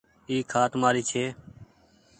اي کآٽ مآري ڇي۔